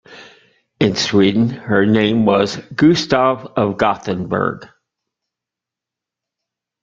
In Sweden her name was "Gustav of Gothenburg".